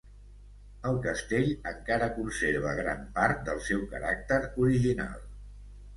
El castell encara conserva gran part del seu caràcter original.